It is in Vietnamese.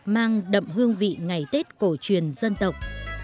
mang đậm hương vị ngày tết cổ truyền dân tộc